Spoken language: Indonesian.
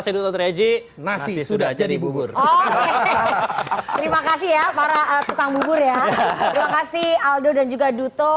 saya dutra eji nasi sudah jadi bubur terima kasih ya para tetanggu ya terima kasih aldo dan juga duto